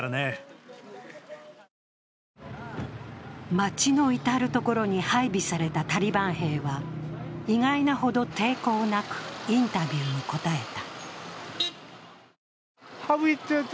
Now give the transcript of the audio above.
街の至る所に配備されたタリバン兵は意外なほど抵抗なくインタビューに答えた。